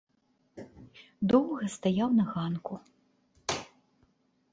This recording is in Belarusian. Доўга стаяў на ганку.